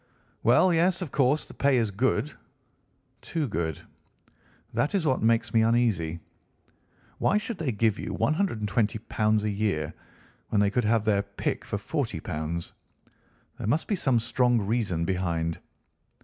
"Well, yes, of course the pay is good—too good. That is what makes me uneasy. Why should they give you £ 120 a year, when they could have their pick for £ 40? There must be some strong reason behind."